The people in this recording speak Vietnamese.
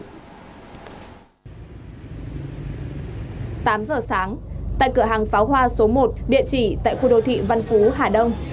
tám giờ sáng tại cửa hàng pháo hoa số một địa chỉ tại khu đô thị văn phú hà đông